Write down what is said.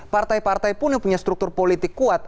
partai partai pun yang punya struktur politik kuat